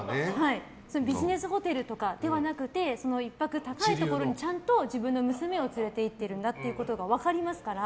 ビジネスホテルとかではなくて１泊高いところにちゃんと自分の娘を連れていってるんだということが分かりますから。